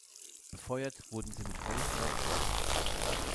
Befeuert wurden sie mit Holz oder Torf.